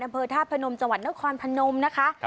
อำเภอธาตุพนมจังหวัดนครพนมนะคะ